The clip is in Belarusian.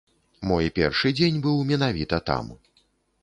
Мой першы дзень быў менавіта там.